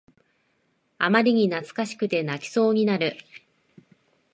あまりに懐かしくて泣きそうになる